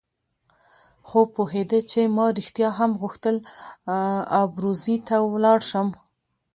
خو پوهېده چې ما رښتیا هم غوښتل ابروزي ته ولاړ شم.